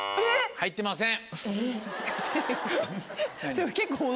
入ってません。